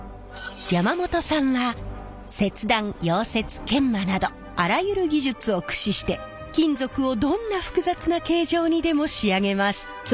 山本さんは切断溶接研磨などあらゆる技術を駆使して金属をどんな複雑な形状にでも仕上げます。